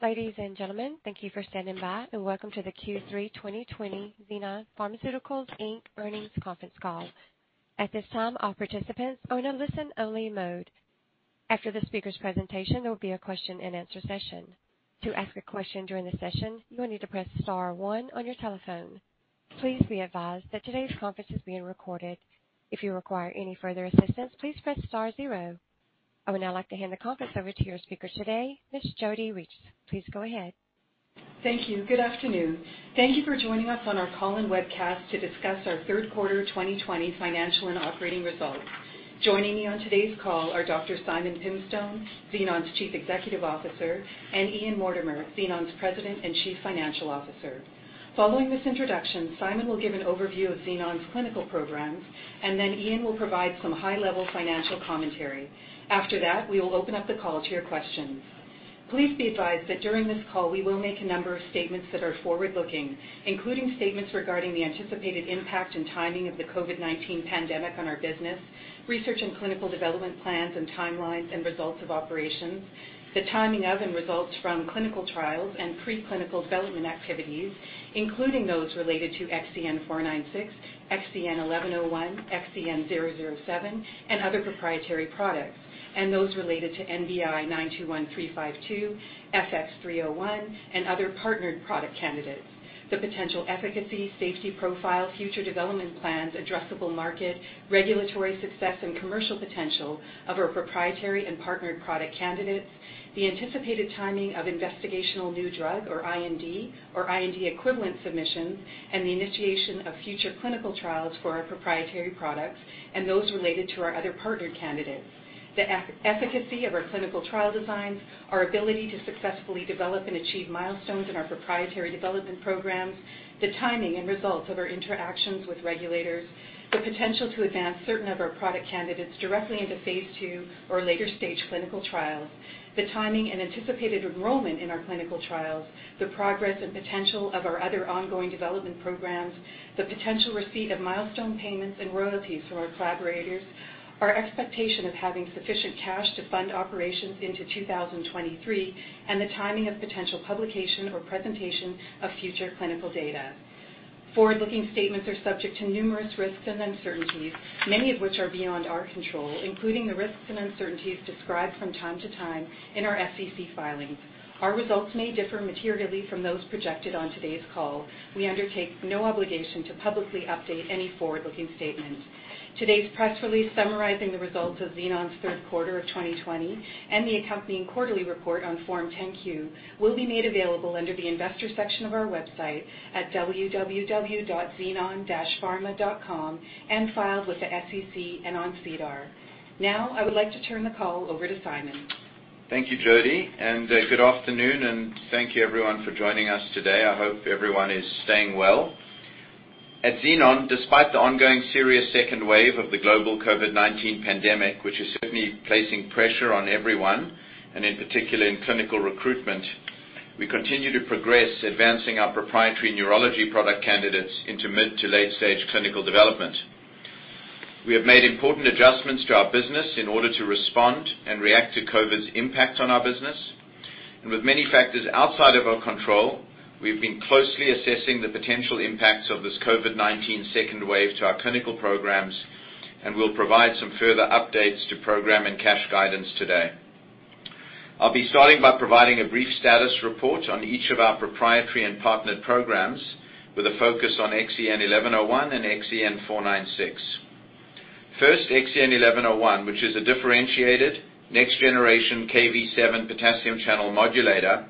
Ladies and gentlemen, thank you for standing by, and welcome to the Q3 2020 Xenon Pharmaceuticals Inc earnings conference call. At this time, all participants are in a listen-only mode. After the speaker's presentation, there will be a question-and-answer session. To ask a question during the session, you will need to press star one on your telephone. Please be advised that today's conference is being recorded. If you require any further assistance, please press star zero. I would now like to hand the conference over to your speaker today, Ms. Jodi Regts. Please go ahead. Thank you. Good afternoon. Thank you for joining us on our call and webcast to discuss our third quarter 2020 financial and operating results. Joining me on today's call are Dr. Simon Pimstone, Xenon's Chief Executive Officer, and Ian Mortimer, Xenon's President and Chief Financial Officer. Following this introduction, Simon will give an overview of Xenon's clinical programs, and then Ian will provide some high-level financial commentary. After that, we will open up the call to your questions. Please be advised that during this call, we will make a number of statements that are forward-looking, including statements regarding the anticipated impact and timing of the COVID-19 pandemic on our business, research and clinical development plans and timelines and results of operations, the timing of and results from clinical trials and preclinical development activities, including those related to XEN496, XEN1101, XEN007, and other proprietary products, and those related to NBI-921352, FX301, and other partnered product candidates. The potential efficacy, safety profile, future development plans, addressable market, regulatory success, and commercial potential of our proprietary and partnered product candidates. The anticipated timing of investigational new drug or IND or IND-equivalent submissions and the initiation of future clinical trials for our proprietary products and those related to our other partnered candidates. The efficacy of our clinical trial designs, our ability to successfully develop and achieve milestones in our proprietary development programs, the timing and results of our interactions with regulators, the potential to advance certain of our product candidates directly into phase II or later-stage clinical trials. The timing and anticipated enrollment in our clinical trials, the progress and potential of our other ongoing development programs, the potential receipt of milestone payments and royalties from our collaborators, our expectation of having sufficient cash to fund operations into 2023, and the timing of potential publication or presentation of future clinical data. Forward-looking statements are subject to numerous risks and uncertainties, many of which are beyond our control, including the risks and uncertainties described from time to time in our SEC filings. Our results may differ materially from those projected on today's call. We undertake no obligation to publicly update any forward-looking statement. Today's press release summarizing the results of Xenon's third quarter of 2020 and the accompanying quarterly report on Form 10-Q will be made available under the investor section of our website at www.xenon-pharma.com and filed with the SEC and on SEDAR. Now, I would like to turn the call over to Simon. Thank you, Jodi. Good afternoon, and thank you, everyone, for joining us today. I hope everyone is staying well. At Xenon, despite the ongoing serious second wave of the global COVID-19 pandemic, which is certainly placing pressure on everyone, and in particular in clinical recruitment, we continue to progress advancing our proprietary neurology product candidates into mid to late-stage clinical development. We have made important adjustments to our business in order to respond and react to COVID's impact on our business. With many factors outside of our control, we've been closely assessing the potential impacts of this COVID-19 second wave to our clinical programs, we'll provide some further updates to program and cash guidance today. I'll be starting by providing a brief status report on each of our proprietary and partnered programs with a focus on XEN1101 and XEN496. First, XEN1101, which is a differentiated next generation Kv7 potassium channel modulator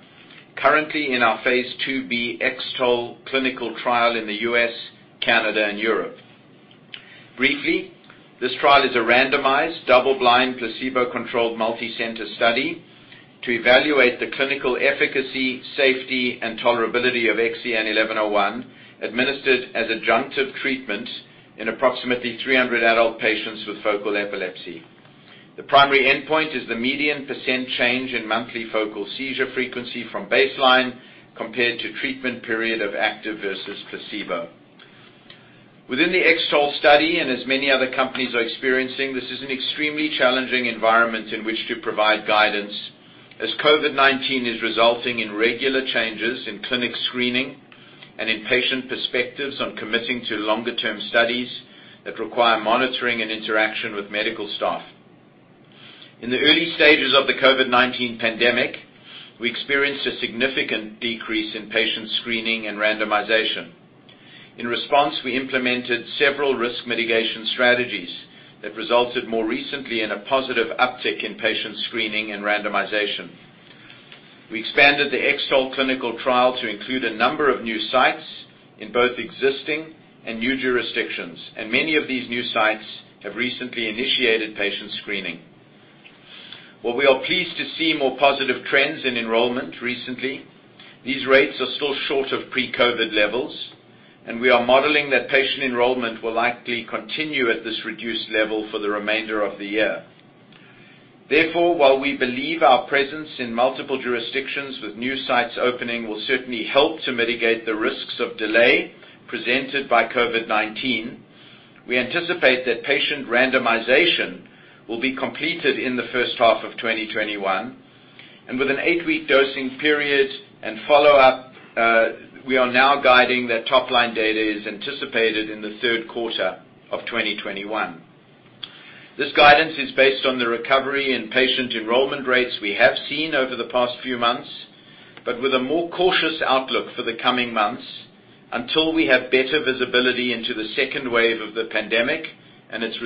currently in our phase II b X-TOLE clinical trial in the U.S., Canada, and Europe. Briefly, this trial is a randomized, double-blind, placebo-controlled, multicenter study to evaluate the clinical efficacy, safety, and tolerability of XEN1101 administered as adjunctive treatment in approximately 300 adult patients with focal epilepsy. The primary endpoint is the median % change in monthly focal seizure frequency from baseline compared to treatment period of active versus placebo. Within the X-TOLE study, and as many other companies are experiencing, this is an extremely challenging environment in which to provide guidance, as COVID-19 is resulting in regular changes in clinic screening and in patient perspectives on committing to longer-term studies that require monitoring and interaction with medical staff. In the early stages of the COVID-19 pandemic, we experienced a significant decrease in patient screening and randomization. In response, we implemented several risk mitigation strategies that resulted more recently in a positive uptick in patient screening and randomization. We expanded the X-TOLE clinical trial to include a number of new sites in both existing and new jurisdictions, and many of these new sites have recently initiated patient screening. While we are pleased to see more positive trends in enrollment recently, these rates are still short of pre-COVID levels, and we are modeling that patient enrollment will likely continue at this reduced level for the remainder of the year. While we believe our presence in multiple jurisdictions with new sites opening will certainly help to mitigate the risks of delay presented by COVID-19. We anticipate that patient randomization will be completed in the first half of 2021. With an eight-week dosing period and follow-up, we are now guiding that top-line data is anticipated in the third quarter of 2021. This guidance is based on the recovery in patient enrollment rates we have seen over the past few months, but with a more cautious outlook for the coming months until we have better visibility into the second wave of the pandemic and its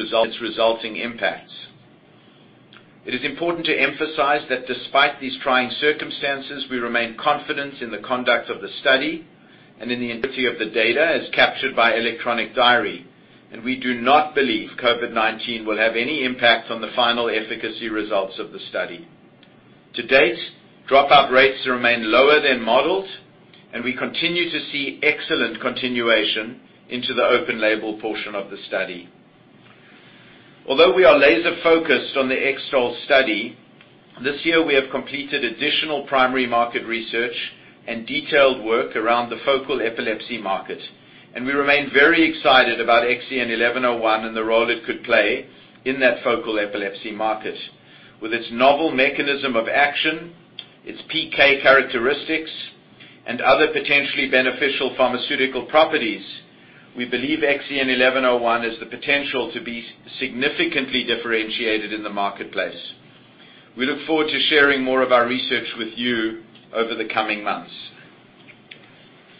resulting impacts. It is important to emphasize that despite these trying circumstances, we remain confident in the conduct of the study and in the integrity of the data as captured by electronic diary, and we do not believe COVID-19 will have any impact on the final efficacy results of the study. To date, dropout rates remain lower than modeled, and we continue to see excellent continuation into the open-label portion of the study. Although we are laser-focused on the X-TOLE study, this year we have completed additional primary market research and detailed work around the focal epilepsy market, and we remain very excited about XEN1101 and the role it could play in that focal epilepsy market. With its novel mechanism of action, its PK characteristics, and other potentially beneficial pharmaceutical properties, we believe XEN1101 has the potential to be significantly differentiated in the marketplace. We look forward to sharing more of our research with you over the coming months.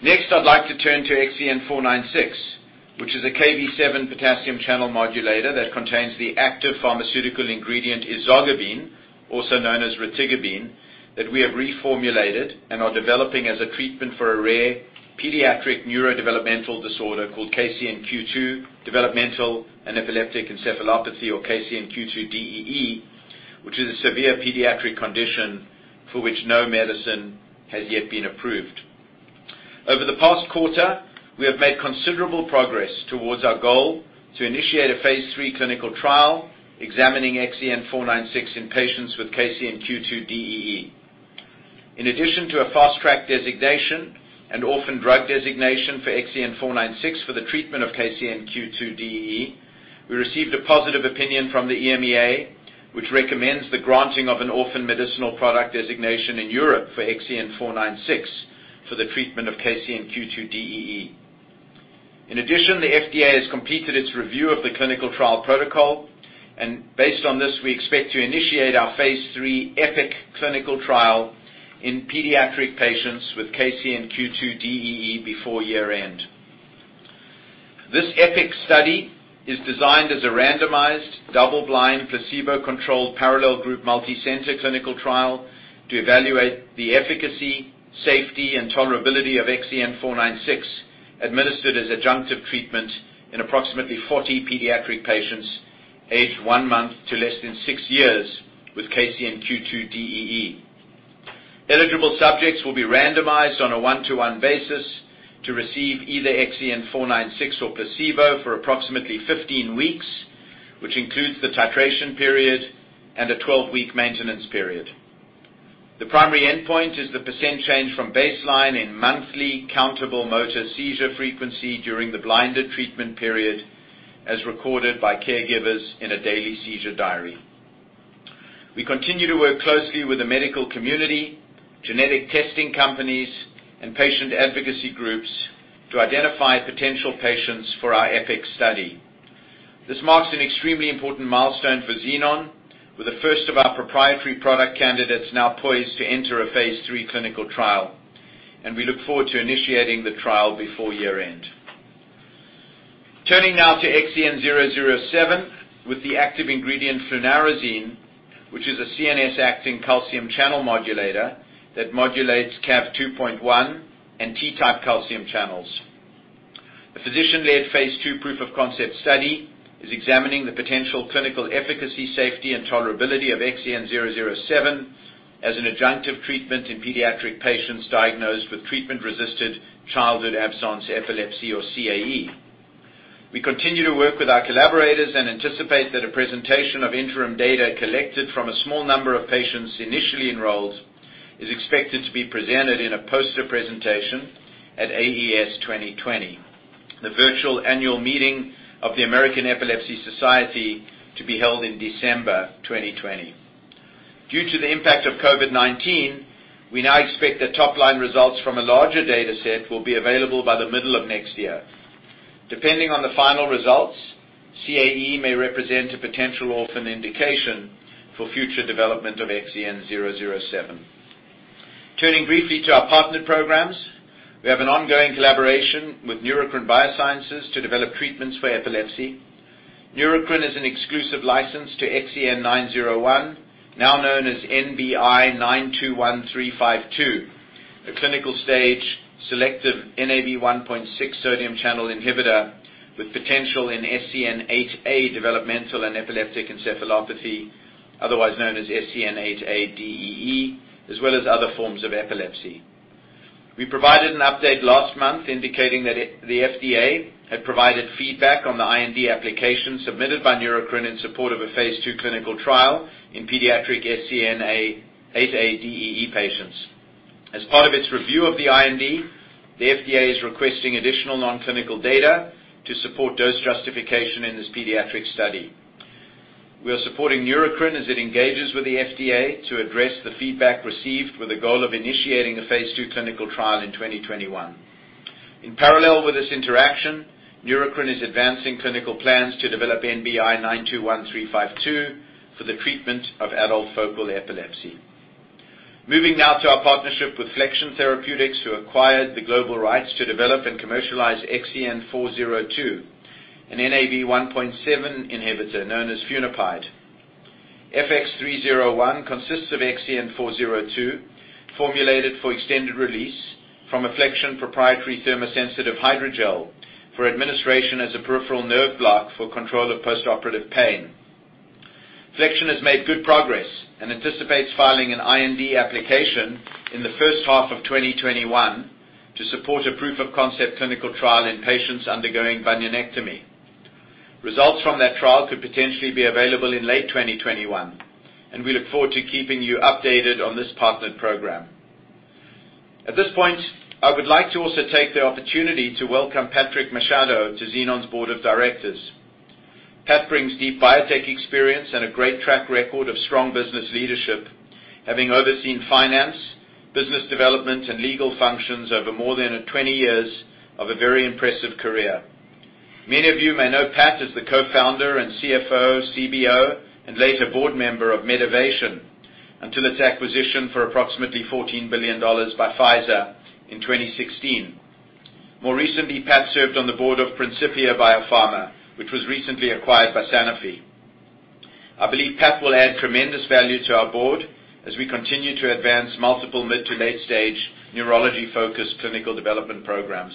Next, I'd like to turn to XEN496, which is a Kv7 potassium channel modulator that contains the active pharmaceutical ingredient ezogabine, also known as retigabine, that we have reformulated and are developing as a treatment for a rare pediatric neurodevelopmental disorder called KCNQ2 developmental and epileptic encephalopathy, or KCNQ2-DEE, which is a severe pediatric condition for which no medicine has yet been approved. Over the past quarter, we have made considerable progress towards our goal to initiate a phase III clinical trial examining XEN496 in patients with KCNQ2-DEE. In addition to a Fast Track designation and Orphan Drug designation for XEN496 for the treatment of KCNQ2-DEE, we received a positive opinion from the EMEA, which recommends the granting of an orphan medicinal product designation in Europe for XEN496 for the treatment of KCNQ2-DEE. In addition, the FDA has completed its review of the clinical trial protocol, and based on this, we expect to initiate our phase III EPIK clinical trial in pediatric patients with KCNQ2-DEE before year-end. This EPIK study is designed as a randomized, double-blind, placebo-controlled, parallel group, multi-center clinical trial to evaluate the efficacy, safety, and tolerability of XEN496 administered as adjunctive treatment in approximately 40 pediatric patients aged one month to less than six years with KCNQ2-DEE. Eligible subjects will be randomized on a 1:1 basis to receive either XEN496 or placebo for approximately 15 weeks, which includes the titration period and a 12-week maintenance period. The primary endpoint is the percent change from baseline in monthly countable motor seizure frequency during the blinded treatment period, as recorded by caregivers in a daily seizure diary. We continue to work closely with the medical community, genetic testing companies, and patient advocacy groups to identify potential patients for our EPIK study. This marks an extremely important milestone for Xenon. We're the first of our proprietary product candidates now poised to enter a phase III clinical trial, and we look forward to initiating the trial before year-end. Turning now to XEN007 with the active ingredient flunarizine, which is a CNS-acting calcium channel modulator that modulates Cav2.1 and T-type calcium channels. A physician-led phase II proof of concept study is examining the potential clinical efficacy, safety, and tolerability of XEN007 as an adjunctive treatment in pediatric patients diagnosed with treatment-resistant childhood absence epilepsy or CAE. We continue to work with our collaborators and anticipate that a presentation of interim data collected from a small number of patients initially enrolled is expected to be presented in a poster presentation at AES 2020, the virtual annual meeting of the American Epilepsy Society to be held in December 2020. Due to the impact of COVID-19, we now expect that top-line results from a larger data set will be available by the middle of next year. Depending on the final results, CAE may represent a potential orphan indication for future development of XEN007. Turning briefly to our partnered programs, we have an ongoing collaboration with Neurocrine Biosciences to develop treatments for epilepsy. Neurocrine is an exclusive license to XEN901, now known as NBI-921352, a clinical stage selective Nav1.6 sodium channel inhibitor with potential in SCN8A developmental and epileptic encephalopathy, otherwise known as SCN8A-DEE, as well as other forms of epilepsy. We provided an update last month indicating that the FDA had provided feedback on the IND application submitted by Neurocrine in support of a phase II clinical trial in pediatric SCN8A-DEE patients. As part of its review of the IND, the FDA is requesting additional non-clinical data to support dose justification in this pediatric study. We are supporting Neurocrine as it engages with the FDA to address the feedback received with a goal of initiating a Phase II clinical trial in 2021. In parallel with this interaction, Neurocrine is advancing clinical plans to develop NBI-921352 for the treatment of adult focal epilepsy. Moving now to our partnership with Flexion Therapeutics, who acquired the global rights to develop and commercialize XEN402, an Nav1.7 inhibitor known as funapide. FX301 consists of XEN402, formulated for extended release from a Flexion proprietary thermosensitive hydrogel for administration as a peripheral nerve block for control of postoperative pain. Flexion has made good progress and anticipates filing an IND application in the first half of 2021 to support a proof of concept clinical trial in patients undergoing bunionectomy. Results from that trial could potentially be available in late 2021, and we look forward to keeping you updated on this partnered program. At this point, I would like to also take the opportunity to welcome Patrick Machado to Xenon's board of directors. Pat brings deep biotech experience and a great track record of strong business leadership, having overseen finance, business development, and legal functions over more than 20 years of a very impressive career. Many of you may know Pat as the co-founder and CFO, CBO, and later board member of Medivation until its acquisition for approximately $14 billion by Pfizer in 2016. More recently, Pat served on the board of Principia Biopharma, which was recently acquired by Sanofi. I believe Pat will add tremendous value to our board as we continue to advance multiple mid- to late-stage neurology-focused clinical development programs.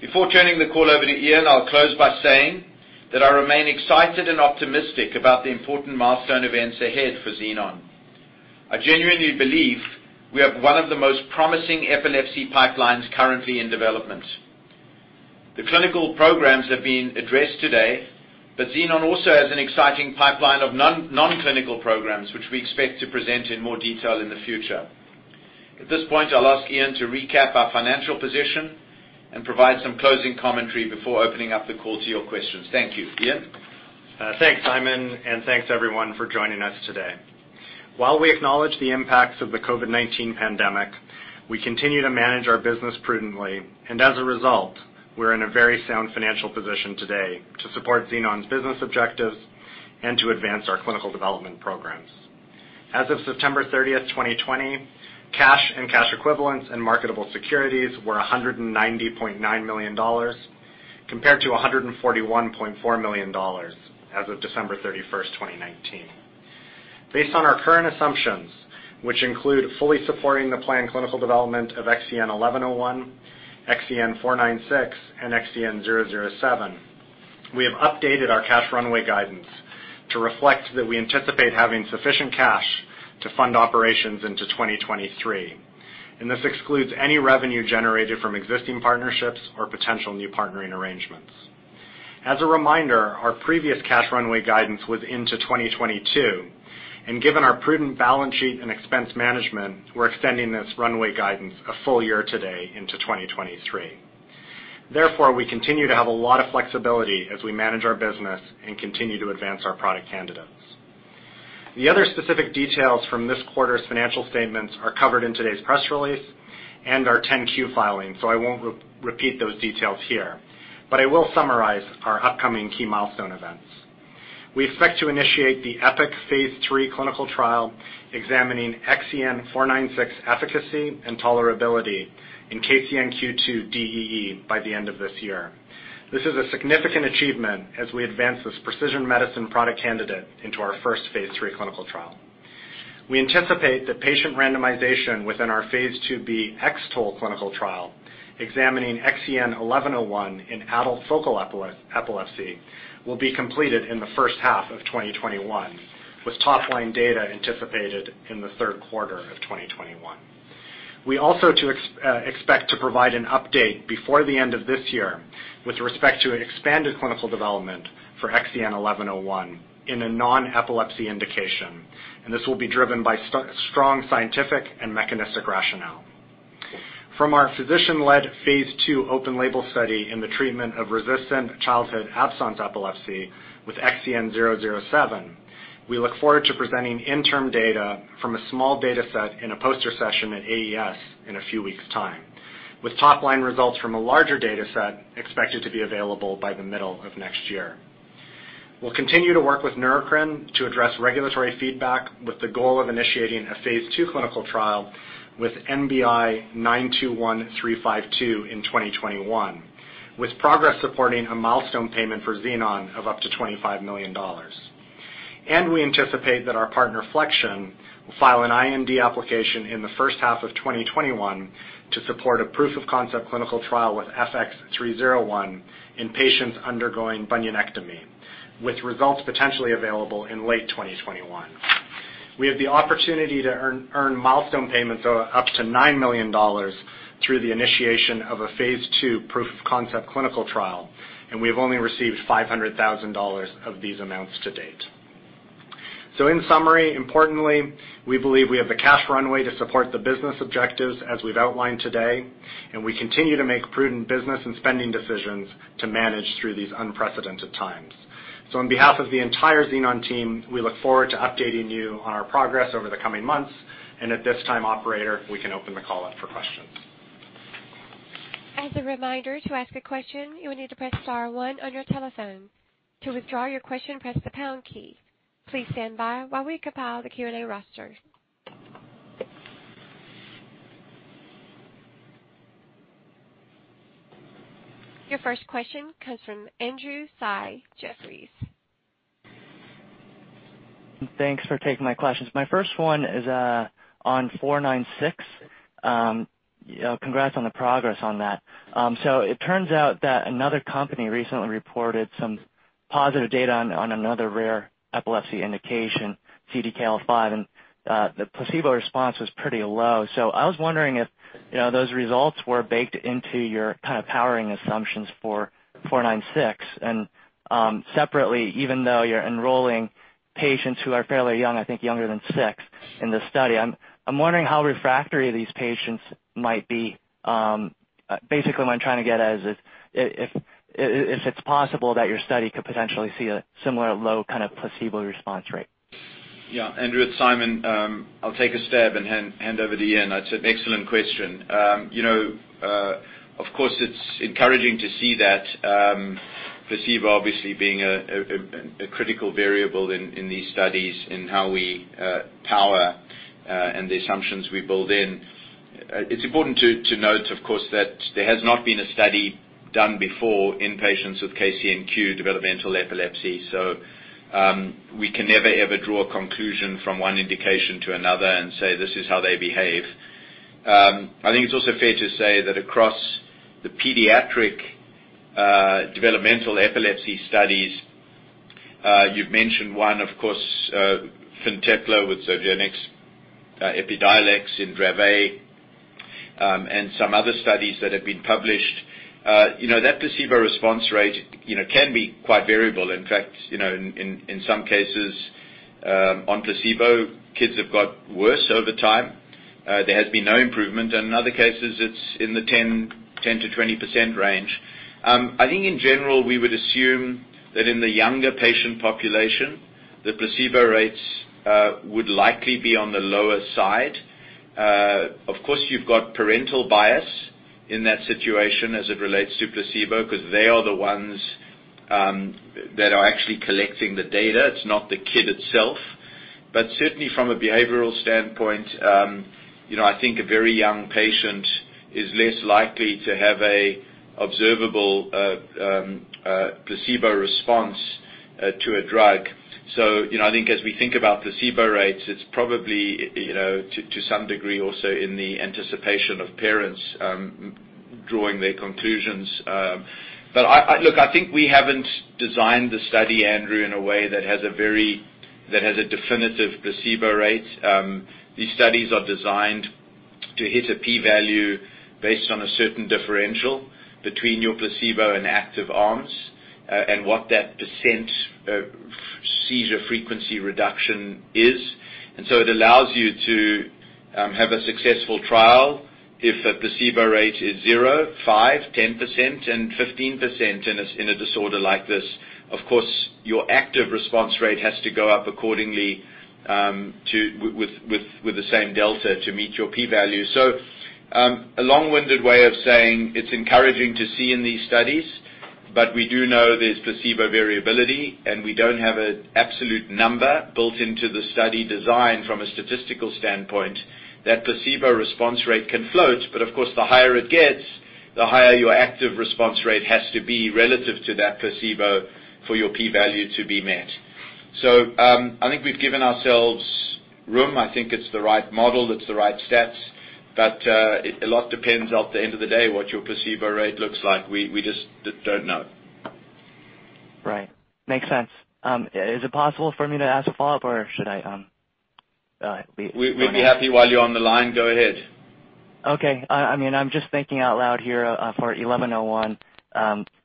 Before turning the call over to Ian, I'll close by saying that I remain excited and optimistic about the important milestone events ahead for Xenon. I genuinely believe we have one of the most promising epilepsy pipelines currently in development. The clinical programs have been addressed today. Xenon also has an exciting pipeline of non-clinical programs, which we expect to present in more detail in the future. At this point, I'll ask Ian to recap our financial position and provide some closing commentary before opening up the call to your questions. Thank you. Ian? Thanks, Simon, and thanks, everyone, for joining us today. While we acknowledge the impacts of the COVID-19 pandemic, we continue to manage our business prudently, as a result, we are in a very sound financial position today to support Xenon's business objectives and to advance our clinical development programs. As of September 30th, 2020, cash and cash equivalents and marketable securities were $190.9 million, compared to $141.4 million as of December 31st, 2019. Based on our current assumptions, which include fully supporting the planned clinical development of XEN1101, XEN496, and XEN007, we have updated our cash runway guidance to reflect that we anticipate having sufficient cash to fund operations into 2023. This excludes any revenue generated from existing partnerships or potential new partnering arrangements. As a reminder, our previous cash runway guidance was into 2022, and given our prudent balance sheet and expense management, we're extending this runway guidance a full year today into 2023. We continue to have a lot of flexibility as we manage our business and continue to advance our product candidates. The other specific details from this quarter's financial statements are covered in today's press release and our 10-Q filing, so I won't repeat those details here, but I will summarize our upcoming key milestone events. We expect to initiate the EPIK phase III clinical trial examining XEN496 efficacy and tolerability in KCNQ2-DEE by the end of this year. This is a significant achievement as we advance this precision medicine product candidate into our first phase III clinical trial. We anticipate that patient randomization within our phase IIb X-TOLE clinical trial examining XEN1101 in adult focal epilepsy will be completed in the first half of 2021, with top line data anticipated in the third quarter of 2021. We also expect to provide an update before the end of this year with respect to expanded clinical development for XEN1101 in a non-epilepsy indication, this will be driven by strong scientific and mechanistic rationale. From our physician-led phase II open label study in the treatment of resistant childhood absence epilepsy with XEN007, we look forward to presenting interim data from a small dataset in a poster session at AES in a few weeks time, with top line results from a larger dataset expected to be available by the middle of next year. We'll continue to work with Neurocrine to address regulatory feedback with the goal of initiating a phase II clinical trial with NBI-921352 in 2021, with progress supporting a milestone payment for Xenon of up to $25 million. We anticipate that our partner, Flexion, will file an IND application in the first half of 2021 to support a proof-of-concept clinical trial with FX301 in patients undergoing bunionectomy, with results potentially available in late 2021. We have the opportunity to earn milestone payments of up to $9 million through the initiation of a phase II proof-of-concept clinical trial, we have only received $500,000 of these amounts to date. In summary, importantly, we believe we have the cash runway to support the business objectives as we've outlined today, and we continue to make prudent business and spending decisions to manage through these unprecedented times. On behalf of the entire Xenon team, we look forward to updating you on our progress over the coming months. At this time, operator, we can open the call up for questions. Your first question comes from Andrew Tsai, Jefferies. Thanks for taking my questions. My first one is on [XEN]496. Congrats on the progress on that. It turns out that another company recently reported some positive data on another rare epilepsy indication, CDKL5, and the placebo response was pretty low. I was wondering if those results were baked into your powering assumptions for [XEN]496. Separately, even though you're enrolling patients who are fairly young, I think younger than six in this study, I'm wondering how refractory these patients might be. Basically what I'm trying to get at is if it's possible that your study could potentially see a similar low placebo response rate. Andrew, it's Simon. I'll take a stab and hand over to Ian. It's an excellent question. Of course, it's encouraging to see that, placebo obviously being a critical variable in these studies in how we power and the assumptions we build in. It's important to note, of course, that there has not been a study done before in patients with KCNQ developmental epilepsy. We can never ever draw a conclusion from one indication to another and say, this is how they behave. I think it's also fair to say that across the pediatric developmental epilepsy studies, you've mentioned one, of course, Fintepla with Zogenix, Epidiolex in Dravet, and some other studies that have been published. That placebo response rate can be quite variable. In fact, in some cases, on placebo, kids have got worse over time. There has been no improvement. In other cases, it's in the 10%-20% range. I think in general, we would assume that in the younger patient population, the placebo rates would likely be on the lower side. Of course, you've got parental bias in that situation as it relates to placebo, because they are the ones that are actually collecting the data. It's not the kid itself. Certainly from a behavioral standpoint, I think a very young patient is less likely to have a observable placebo response to a drug. I think as we think about placebo rates, it's probably, to some degree also in the anticipation of parents drawing their conclusions. Look, I think we haven't designed the study, Andrew, in a way that has a definitive placebo rate. These studies are designed to hit a P value based on a certain differential between your placebo and active arms and what that % seizure frequency reduction is. It allows you to have a successful trial if a placebo rate is zero, 5%, 10% and 15% in a disorder like this. Of course, your active response rate has to go up accordingly with the same delta to meet your p value. A long-winded way of saying it's encouraging to see in these studies, but we do know there's placebo variability, and we don't have an absolute number built into the study design from a statistical standpoint. That placebo response rate can float, but of course, the higher it gets, the higher your active response rate has to be relative to that placebo for your p value to be met. I think we've given ourselves room. I think it's the right model, it's the right stats. A lot depends at the end of the day, what your placebo rate looks like. We just don't know. Right. Makes sense. Is it possible for me to ask a follow-up, or should I? We'd be happy while you're on the line, go ahead. Okay. I'm just thinking out loud here for 1101.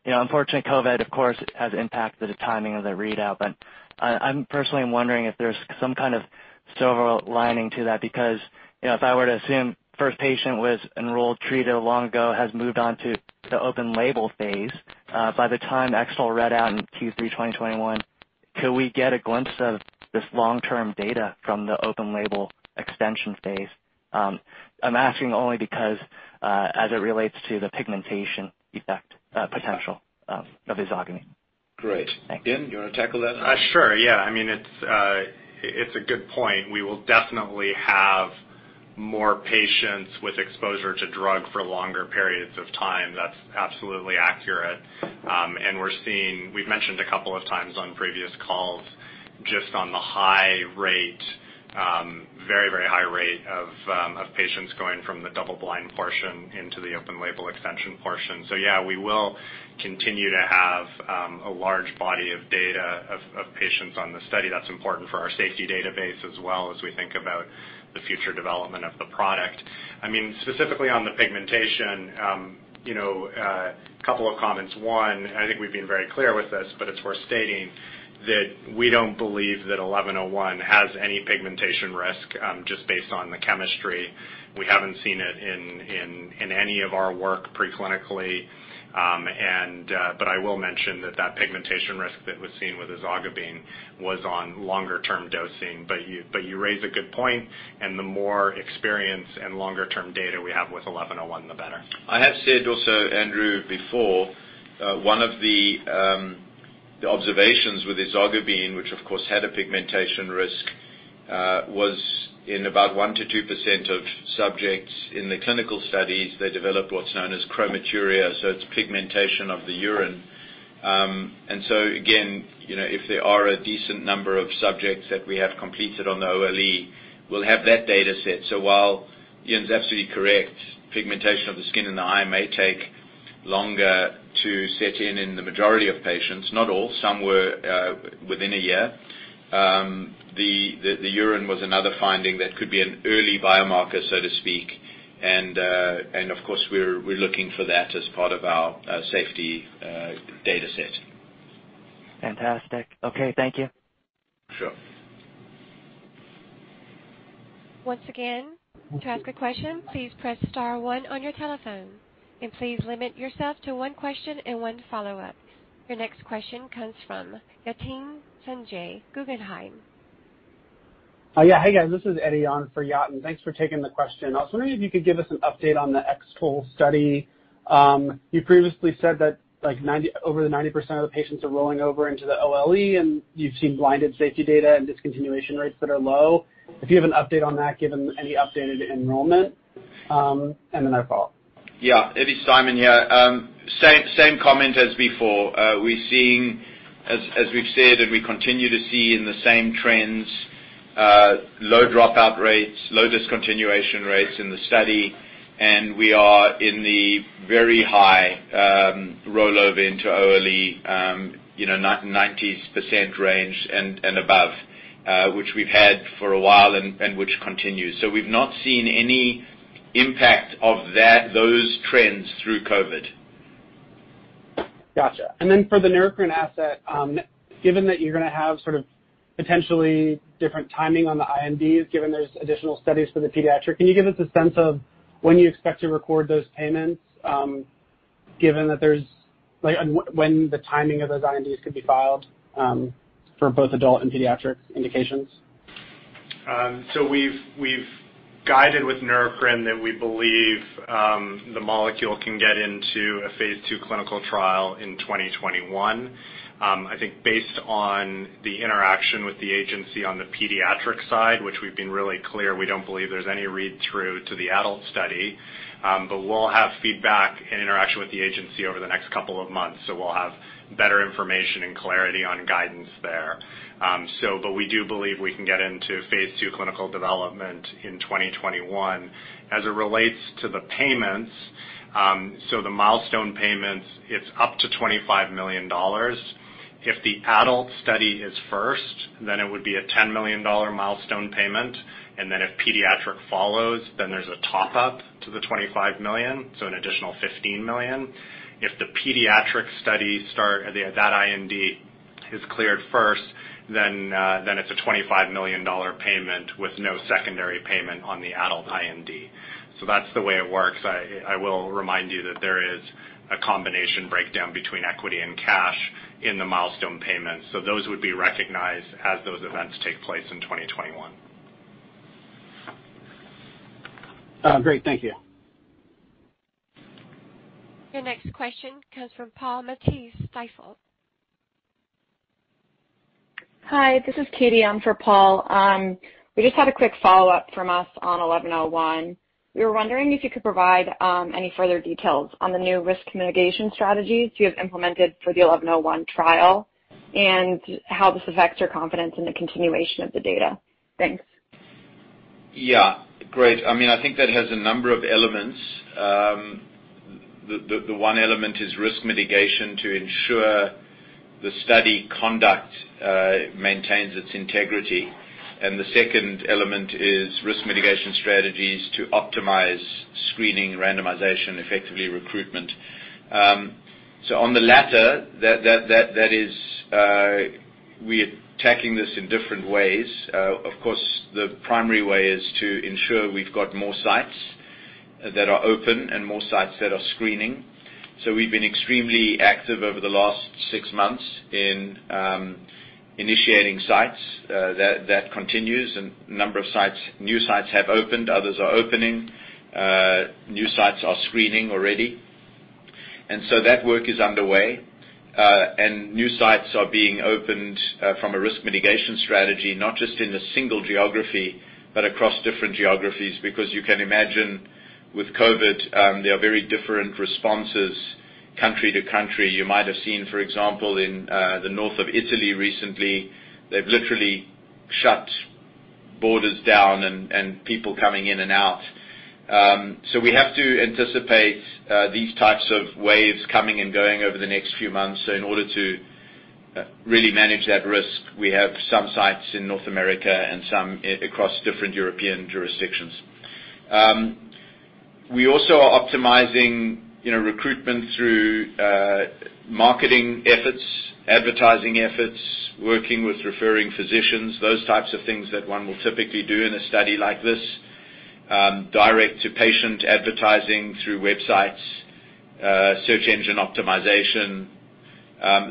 Unfortunately, COVID, of course, has impacted the timing of the readout, but I'm personally wondering if there's some kind of silver lining to that, because if I were to assume first patient was enrolled, treated long ago, has moved on to the open label phase. By the time X-TOLE read out in Q3 2021, could we get a glimpse of this long-term data from the open label extension phase? I'm asking only because, as it relates to the pigmentation effect potential of [ezogabine]. Great. Ian, do you want to tackle that? Sure. Yeah. It's a good point. We will definitely have more patients with exposure to drug for longer periods of time. That's absolutely accurate. We've mentioned a couple of times on previous calls just on the very high rate of patients going from the double blind portion into the open label extension portion. Yeah, we will continue to have a large body of data of patients on the study. That's important for our safety database as well as we think about the future development of the product. Specifically on the pigmentation, a couple of comments. One, I think we've been very clear with this, but it's worth stating that we don't believe that 1101 has any pigmentation risk just based on the chemistry. We haven't seen it in any of our work pre-clinically. I will mention that that pigmentation risk that was seen with ezogabine was on longer-term dosing. You raise a good point, and the more experience and longer-term data we have with 1101, the better. I have said also, Andrew, before, one of the observations with ezogabine, which of course had a pigmentation risk, was in about 1%-2% of subjects in the clinical studies, they developed what's known as chromaturia, so it's pigmentation of the urine. Again, if there are a decent number of subjects that we have completed on the OLE, we'll have that data set. While Ian's absolutely correct, pigmentation of the skin and the eye may take longer to set in in the majority of patients, not all, some were within a year. The urine was another finding that could be an early biomarker, so to speak. Of course, we're looking for that as part of our safety data set. Fantastic. Okay. Thank you. Sure. Once again, to ask a question, please press star one on your telephone, and please limit yourself to one question and one follow-up. Your next question comes from Yatin Suneja, Guggenheim. Yeah. Hey, guys, this is Eddie on for Yatin. Thanks for taking the question. I was wondering if you could give us an update on the X-TOLE study. You previously said that over 90% of the patients are rolling over into the OLE, and you've seen blinded safety data and discontinuation rates that are low. If you have an update on that, given any updated enrollment? Yeah, Eddie. Simon here. Same comment as before. We're seeing, as we've said, we continue to see in the same trends low dropout rates, low discontinuation rates in the study, and we are in the very high roll over into OLE, 90% range and above, which we've had for a while and which continues. We've not seen any impact of those trends through COVID. Got you. For the Neurocrine asset, given that you're going to have sort of potentially different timing on the INDs, given there's additional studies for the pediatric, can you give us a sense of when you expect to record those payments? Given that, like when the timing of those INDs could be filed for both adult and pediatric indications. We've guided with Neurocrine that we believe the molecule can get into a phase II clinical trial in 2021. I think based on the interaction with the agency on the pediatric side, which we've been really clear, we don't believe there's any read-through to the adult study. We'll have feedback and interaction with the agency over the next couple of months. We'll have better information and clarity on guidance there. We do believe we can get into phase II clinical development in 2021. As it relates to the payments. The milestone payments, it's up to $25 million. If the adult study is first, then it would be a $10 million milestone payment. If pediatric follows, then there's a top-up to the $25 million, so an additional $15 million. If that IND is cleared first, then it's a $25 million payment with no secondary payment on the adult IND. That's the way it works. I will remind you that there is a combination breakdown between equity and cash in the milestone payments. Those would be recognized as those events take place in 2021. Great. Thank you. Your next question comes from Paul Matteis, Stifel. Hi, this is Katie on for Paul. We just had a quick follow-up from us on 1101. We were wondering if you could provide any further details on the new risk mitigation strategies you have implemented for the 1101 trial and how this affects your confidence in the continuation of the data. Thanks. Yeah. Great. I think that has a number of elements. The one element is risk mitigation to ensure the study conduct maintains its integrity. The second element is risk mitigation strategies to optimize screening, randomization, effectively, recruitment. On the latter, we are tackling this in different ways. Of course, the primary way is to ensure we've got more sites that are open and more sites that are screening. We've been extremely active over the last six months in initiating sites. That continues. Number of sites, new sites have opened, others are opening. New sites are screening already. That work is underway. New sites are being opened from a risk mitigation strategy, not just in a single geography, but across different geographies. Because you can imagine with COVID, there are very different responses country to country. You might have seen, for example, in the north of Italy recently, they've literally shut borders down and people coming in and out. We have to anticipate these types of waves coming and going over the next few months. In order to really manage that risk, we have some sites in North America and some across different European jurisdictions. We also are optimizing recruitment through marketing efforts, advertising efforts, working with referring physicians, those types of things that one will typically do in a study like this. Direct-to-patient advertising through websites, search engine optimization.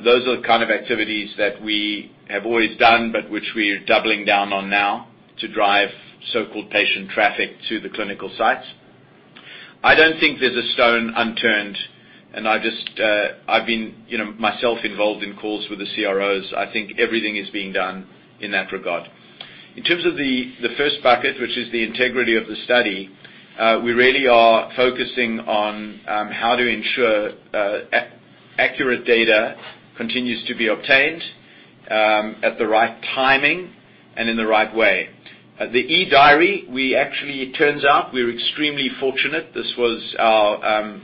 Those are the kind of activities that we have always done, but which we are doubling down on now to drive so-called patient traffic to the clinical sites. I don't think there's a stone unturned, and I've been myself involved in calls with the CROs. I think everything is being done in that regard. In terms of the first bucket, which is the integrity of the study, we really are focusing on how to ensure accurate data continues to be obtained at the right timing and in the right way. The e-diary, it turns out, we're extremely fortunate. This was our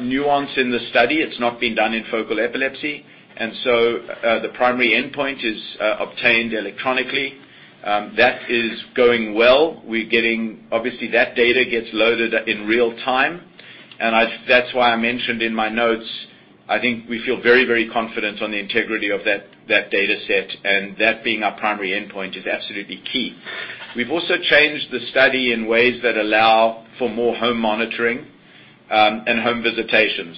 nuance in the study. It's not been done in focal epilepsy. The primary endpoint is obtained electronically. That is going well. Obviously, that data gets loaded in real time. That's why I mentioned in my notes, I think we feel very confident on the integrity of that dataset and that being our primary endpoint is absolutely key. We've also changed the study in ways that allow for more home monitoring and home visitations.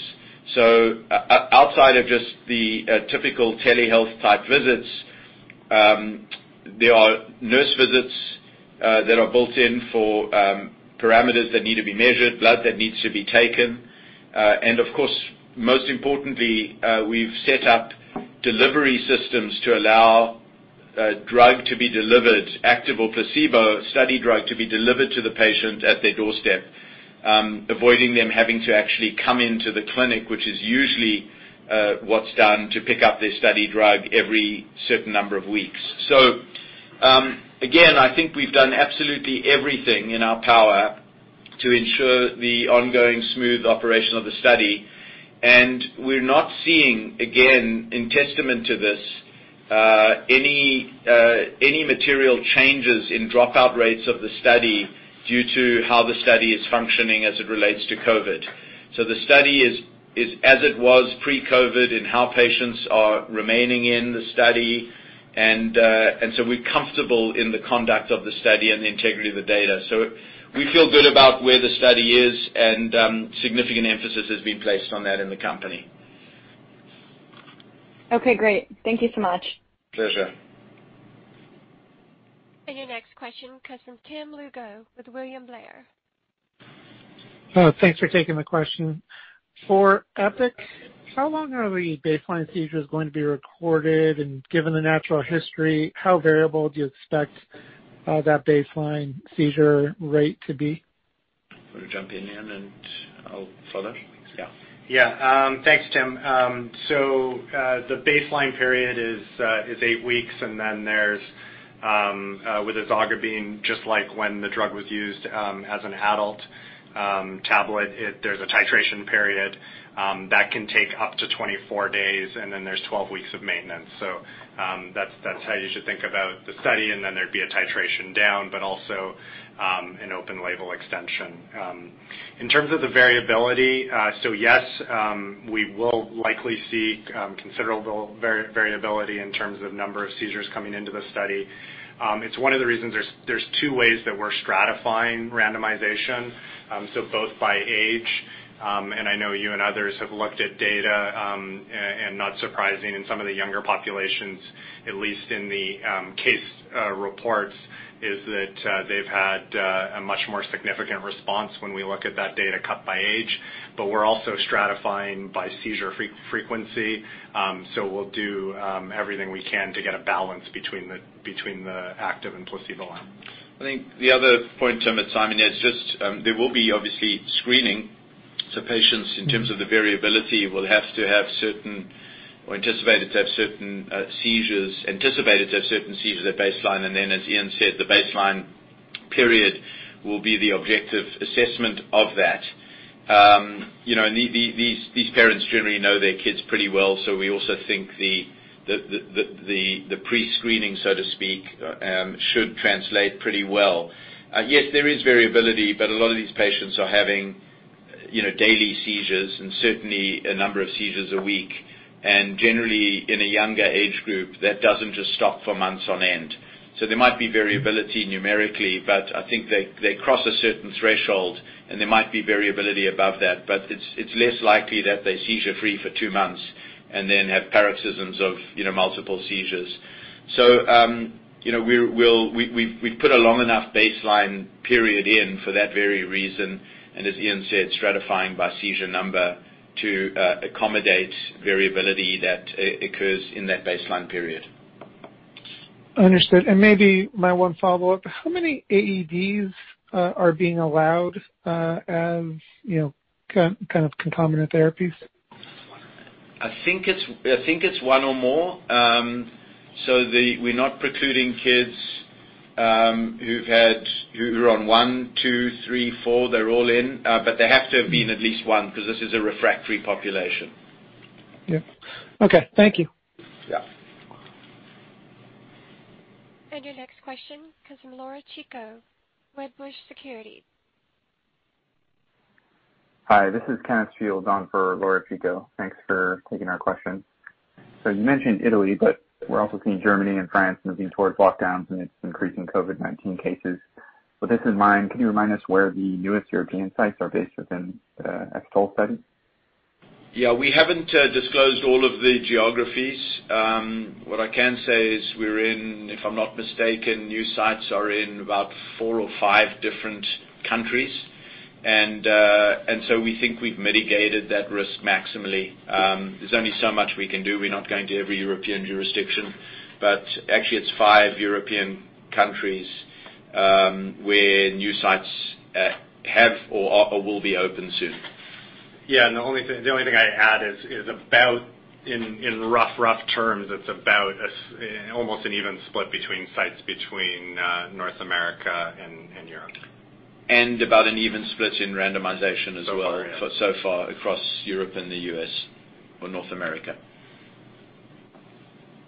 Outside of just the typical telehealth-type visits, there are nurse visits that are built in for parameters that need to be measured, blood that needs to be taken. Of course, most importantly, we've set up delivery systems to allow drug to be delivered, active or placebo study drug to be delivered to the patient at their doorstep, avoiding them having to actually come into the clinic, which is usually what's done to pick up their study drug every certain number of weeks. Again, I think we've done absolutely everything in our power to ensure the ongoing smooth operation of the study, and we're not seeing, again, in testament to this, any material changes in dropout rates of the study due to how the study is functioning as it relates to COVID. The study is as it was pre-COVID in how patients are remaining in the study. We're comfortable in the conduct of the study and the integrity of the data. We feel good about where the study is, and significant emphasis has been placed on that in the company. Okay, great. Thank you so much. Pleasure. Your next question comes from Tim Lugo with William Blair. Thanks for taking the question. For EPIK, how long are the baseline seizures going to be recorded? Given the natural history, how variable do you expect that baseline seizure rate to be? Want to jump in, Ian, and I'll follow? Yeah. Thanks, Tim. The baseline period is eight weeks, and then with ezogabine just like when the drug was used as an adult tablet, there's a titration period that can take up to 24 days, and then there's 12 weeks of maintenance. That's how you should think about the study. There'd be a titration down, but also an open-label extension. In terms of the variability, yes, we will likely see considerable variability in terms of number of seizures coming into the study. It's one of the reasons there's two ways that we're stratifying randomization. Both by age, and I know you and others have looked at data, and not surprising in some of the younger populations, at least in the case reports, is that they've had a much more significant response when we look at that data cut by age. We're also stratifying by seizure frequency. We'll do everything we can to get a balance between the active and placebo arm. I think the other point, Tim, there will be obviously screening. Patients, in terms of the variability, will have to have certain or anticipated to have certain seizures at baseline. Then as Ian said, the baseline period will be the objective assessment of that. These parents generally know their kids pretty well. We also think the pre-screening, so to speak, should translate pretty well. Yes, there is variability, but a lot of these patients are having daily seizures and certainly a number of seizures a week, and generally in a younger age group, that doesn't just stop for months on end. There might be variability numerically, but I think they cross a certain threshold, and there might be variability above that. It's less likely that they're seizure-free for 2 months and then have paroxysms of multiple seizures. We've put a long enough baseline period in for that very reason. As Ian said, stratifying by seizure number to accommodate variability that occurs in that baseline period. Understood. Maybe my one follow-up. How many AEDs are being allowed as kind of concomitant therapies? I think it's one or more. We're not precluding kids who are on one, two, three, four. They're all in. There have to have been at least one, because this is a refractory population. Yep. Okay. Thank you. Yeah. Your next question comes from Laura Chico, Wedbush Securities. Hi, this is Kenneth Shields on for Laura Chico. Thanks for taking our question. You mentioned Italy, but we're also seeing Germany and France moving towards lockdowns amidst increasing COVID-19 cases. With this in mind, can you remind us where the newest European sites are based within the X-TOLE study? Yeah, we haven't disclosed all of the geographies. What I can say is we're in, if I'm not mistaken, new sites are in about four or five different countries. We think we've mitigated that risk maximally. There's only so much we can do. We're not going to every European jurisdiction. Actually it's five European countries, where new sites have or will be open soon. Yeah, the only thing I'd add is about in rough terms, it's about almost an even split between sites between North America and Europe. About an even split in randomization as well. So far across Europe and the U.S. or North America.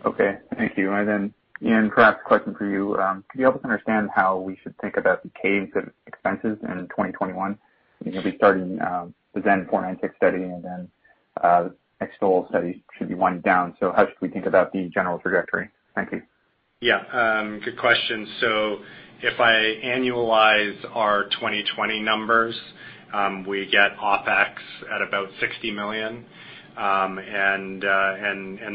Okay, thank you. Ian, perhaps a question for you. Could you help us understand how we should think about the cadence of expenses in 2021? You'll be starting the XEN496 study and then X-TOLE study should be winding down. How should we think about the general trajectory? Thank you. Good question. If I annualize our 2020 numbers, we get OpEx at about $60 million.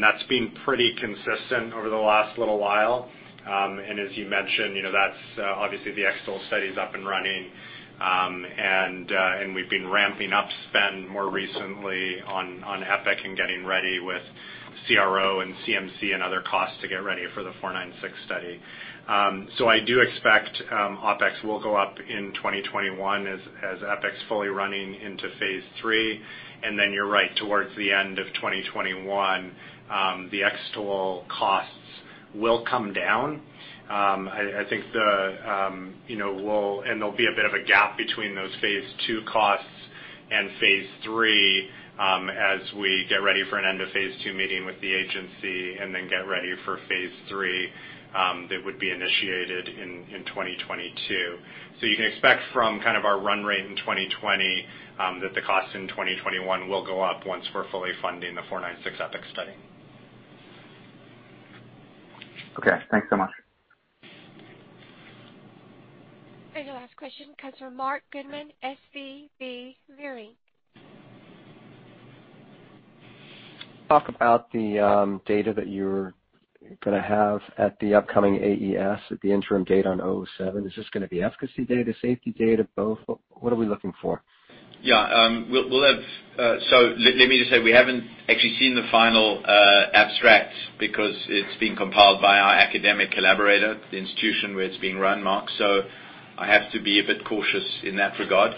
That's been pretty consistent over the last little while. As you mentioned, that's obviously the X-TOLE study's up and running. We've been ramping up spend more recently on EPIK and getting ready with CRO and CMC and other costs to get ready for the 496 study. I do expect OpEx will go up in 2021 as EPIK's fully running into phase III. You're right, towards the end of 2021, the X-TOLE costs will come down. There'll be a bit of a gap between those phase II costs and phase III as we get ready for an end of phase II meeting with the agency and then get ready for phase III that would be initiated in 2022. You can expect from kind of our run rate in 2020 that the cost in 2021 will go up once we're fully funding the 496 EPIK study. Okay, thanks so much. The last question comes from Marc Goodman, SVB Leerink. Talk about the data that you're going to have at the upcoming AES, at the interim data on 007. Is this going to be efficacy data, safety data, both? What are we looking for? Yeah. Let me just say, we haven't actually seen the final abstract because it's being compiled by our academic collaborator, the institution where it's being run, Marc. I have to be a bit cautious in that regard.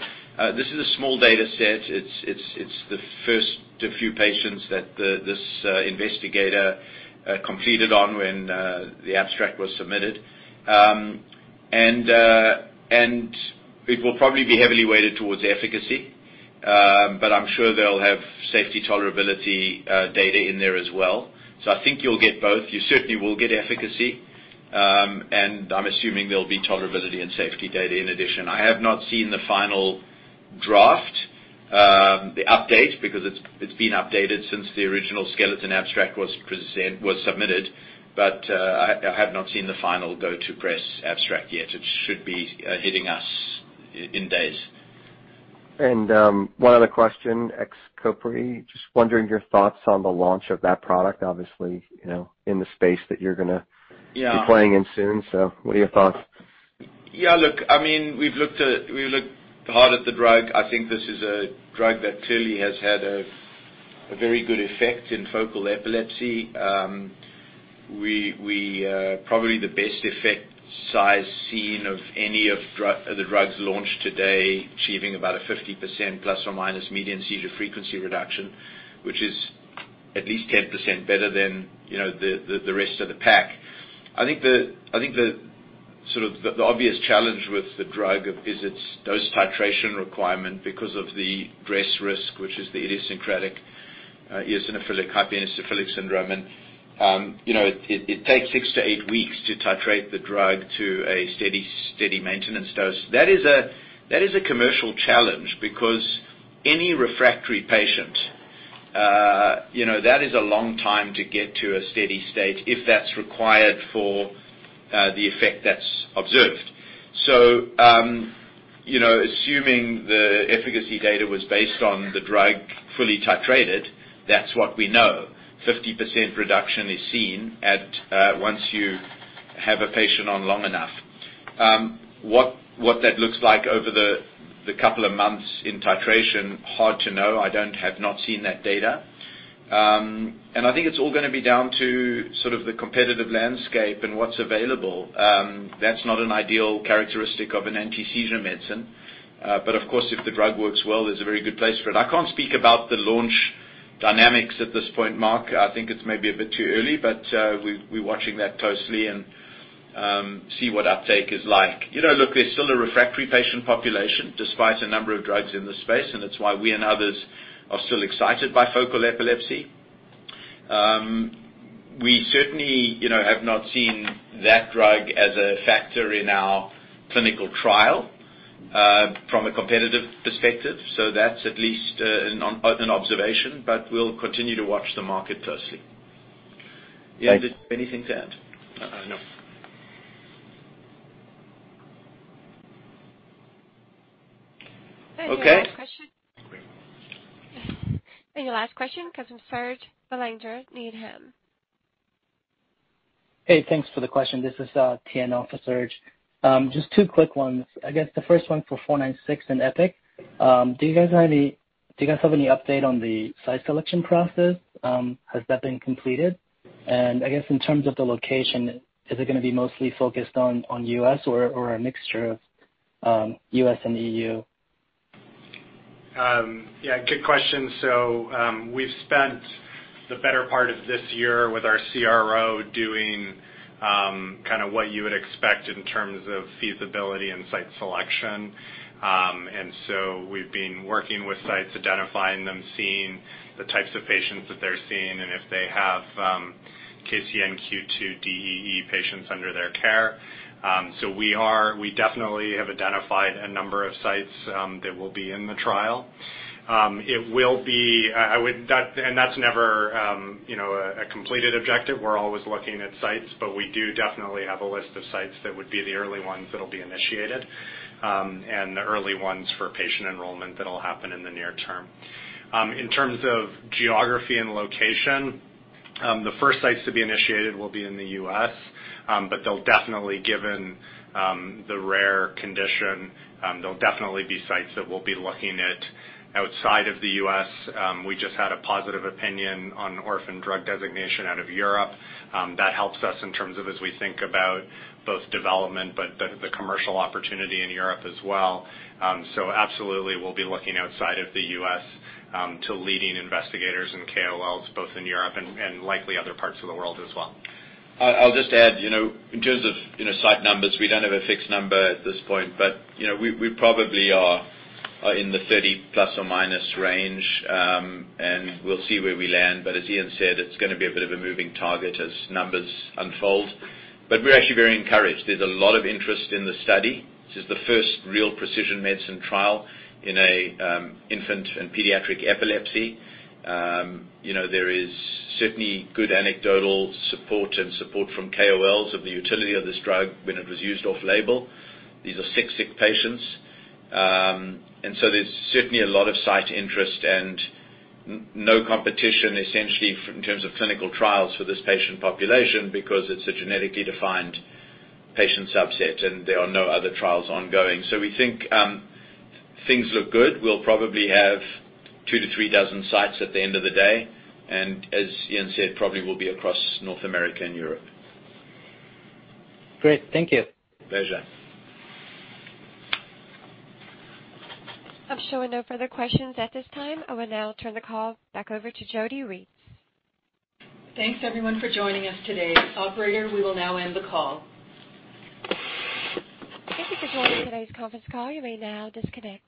This is a small data set. It's the first few patients that this investigator completed on when the abstract was submitted. It will probably be heavily weighted towards efficacy. I'm sure they'll have safety tolerability data in there as well. I think you'll get both. You certainly will get efficacy. I'm assuming there'll be tolerability and safety data in addition. I have not seen the final draft, the update, because it's been updated since the original skeleton abstract was submitted. I have not seen the final go-to press abstract yet, which should be hitting us in days. One other question, [XCOPRI]. Just wondering your thoughts on the launch of that product, obviously, in the space that you're be playing in soon. What are your thoughts? Yeah, look, we've looked hard at the drug. I think this is a drug that clearly has had a very good effect in focal epilepsy. Probably the best effect size seen of any of the drugs launched today, achieving about a ±50% median seizure frequency reduction, which is at least 10% better than the rest of the pack. I think the obvious challenge with the drug is its dose titration requirement because of the DRESS risk, which is the drug-induced eosinophilic pulmonary syndrome. It takes six to eight weeks to titrate the drug to a steady maintenance dose. That is a commercial challenge because any refractory patient that is a long time to get to a steady state if that's required for the effect that's observed. Assuming the efficacy data was based on the drug fully titrated, that's what we know. 50% reduction is seen once you have a patient on long enough. What that looks like over the couple of months in titration, hard to know. I have not seen that data. I think it's all gonna be down to sort of the competitive landscape and what's available. That's not an ideal characteristic of an anti-seizure medicine. Of course, if the drug works well, there's a very good place for it. I can't speak about the launch dynamics at this point, Marc. I think it's maybe a bit too early, but we're watching that closely and see what uptake is like. Look, there's still a refractory patient population despite a number of drugs in the space, and that's why we and others are still excited by focal epilepsy. We certainly have not seen that drug as a factor in our clinical trial from a competitive perspective. That's at least an observation. We'll continue to watch the market closely. Ian, anything to add? No. Okay. Your last question comes from Serge Belanger at Needham. Hey, thanks for the question. This is [Tian] for Serge. Just two quick ones. I guess the first one for XEN496 and EPIK. Do you guys have any update on the site selection process? Has that been completed? I guess in terms of the location, is it going to be mostly focused on U.S. or a mixture of U.S. and E.U.? Yeah, good question. We've spent the better part of this year with our CRO doing what you would expect in terms of feasibility and site selection. We've been working with sites, identifying them, seeing the types of patients that they're seeing, and if they have KCNQ2-DEE patients under their care. We definitely have identified a number of sites that will be in the trial. That's never a completed objective. We're always looking at sites, but we do definitely have a list of sites that would be the early ones that'll be initiated, and the early ones for patient enrollment that'll happen in the near term. In terms of geography and location, the first sites to be initiated will be in the U.S., but they'll definitely, given the rare condition, there'll definitely be sites that we'll be looking at outside of the U.S. We just had a positive opinion on orphan drug designation out of Europe. That helps us in terms of as we think about both development but the commercial opportunity in Europe as well. Absolutely, we'll be looking outside of the U.S. to leading investigators and KOLs both in Europe and likely other parts of the world as well. I'll just add, in terms of site numbers, we don't have a fixed number at this point, we probably are in the ±30 range. We'll see where we land. As Ian said, it's going to be a bit of a moving target as numbers unfold. We're actually very encouraged. There's a lot of interest in the study. This is the first real precision medicine trial in infant and pediatric epilepsy. There is certainly good anecdotal support and support from KOLs of the utility of this drug when it was used off label. These are sick patients. There's certainly a lot of site interest and no competition, essentially, in terms of clinical trials for this patient population because it's a genetically defined patient subset and there are no other trials ongoing. We think things look good. We'll probably have two to three dozen sites at the end of the day. As Ian said, probably will be across North America and Europe. Great. Thank you. Pleasure. I'm showing no further questions at this time. I will now turn the call back over to Jodi Regts. Thanks, everyone, for joining us today. Operator, we will now end the call. Thank you for joining today's conference call. You may now disconnect.